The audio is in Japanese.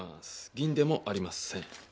銀でもありません。